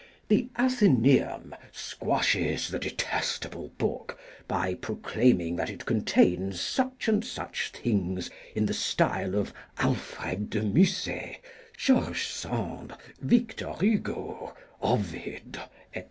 The Athenaeum squashes the detestable book by proclaiming that it contains such and such things in the style of Alfred de Musset, George Sand, Victor Hugo, Ovid, etc.